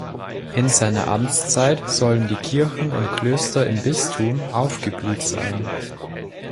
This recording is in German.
In seiner Amtszeit sollen die Kirchen und Klöster im Bistum aufgeblüht sein.